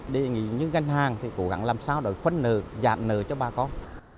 để những ngân hàng thì cố gắng làm sao để phân nợ giảm nợ cho bà con